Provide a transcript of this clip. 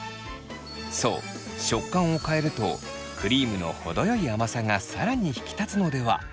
そう食感を変えるとクリームの程よい甘さが更に引き立つのではと考えた。